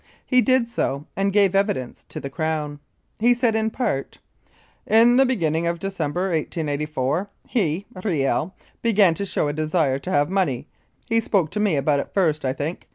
He did so and gave evidence for the Crown. He said, in part: "In the beginning of December, 1884, he (Riel) began to show a desire to have money; he spoke to me about it first, I think.